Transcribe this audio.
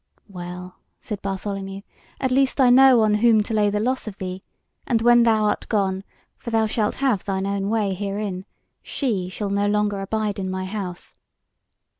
"Well," said Bartholomew, "at least I know on whom to lay the loss of thee, and when thou art gone, for thou shalt have thine own way herein, she shall no longer abide in my house.